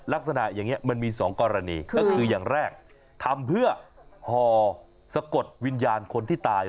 ลักษณะอย่างนี้มันมี๒กรณีก็คืออย่างแรกทำเพื่อห่อสะกดวิญญาณคนที่ตาย